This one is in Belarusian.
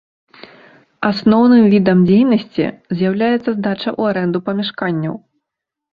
Асноўным відам дзейнасці з'яўляецца здача ў арэнду памяшканняў.